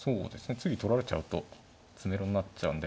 次取られちゃうと詰めろになっちゃうんで。